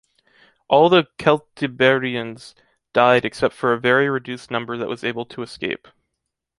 All the Celtiberians died except for a very reduced number that was able to escape.